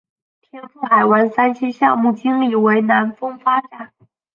天赋海湾三期项目经理为南丰发展。